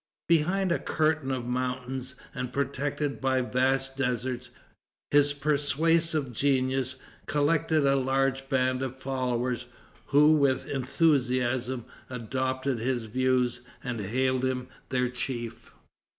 Behind a curtain of mountains, and protected by vast deserts, his persuasive genius collected a large band of followers, who with enthusiasm adopted his views and hailed him their chief.